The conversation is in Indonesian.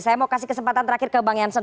saya mau kasih kesempatan terakhir ke bang jansen